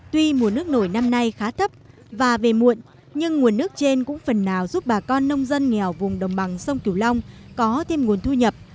tuy mùa nước nổi năm nay khá thấp và về muộn nhưng nguồn nước trên cũng phần nào giúp bà con nông dân nghèo vùng đồng bằng sông cửu long có thêm nguồn thu nhập